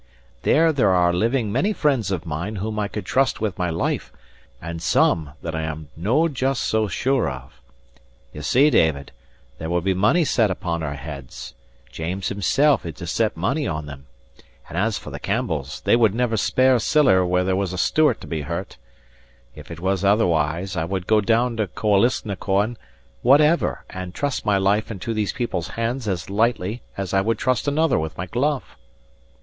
There there are living many friends of mine whom I could trust with my life, and some that I am no just so sure of. Ye see, David, there will be money set upon our heads; James himsel' is to set money on them; and as for the Campbells, they would never spare siller where there was a Stewart to be hurt. If it was otherwise, I would go down to Koalisnacoan whatever, and trust my life into these people's hands as lightly as I would trust another with my glove."